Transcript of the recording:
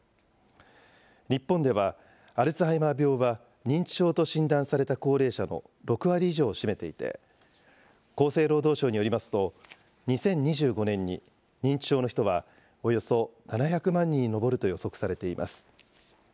日本では、アルツハイマー病は認知症と診断された高齢者の６割以上を占めていて、厚生労働省によりますと、２０２５年に認知症の人はおよそ７００万人に上ると予測されています。